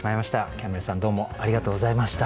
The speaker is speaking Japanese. キャンベルさんどうもありがとうございました。